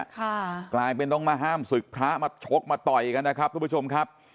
กลายเป็นต้องมาห้ามศึกพระมาชกมาต่อยกันนะครับทุกผู้ชมครับ